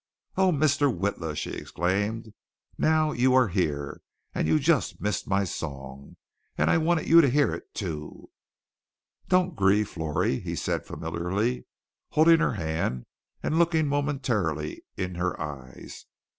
"Oh, Mr. Witla!" she exclaimed. "Now here you are and you just missed my song. And I wanted you to hear it, too." "Don't grieve, Florrie," he said familiarly, holding her hand and looking momentarily in her eyes.